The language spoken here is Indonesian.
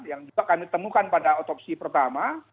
yang kita temukan pada otopsi pertama